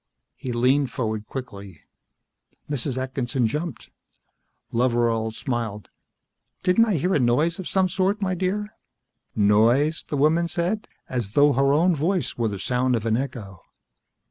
He leaned forward quickly. Mrs. Atkinson jumped. Loveral smiled. "Didn't I hear a noise of some sort, my dear?" "Noise?" the woman said, as though her own voice were the sound of an echo.